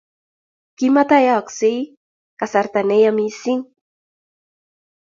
Kimatayaaksei kasarta ne yaa missing'.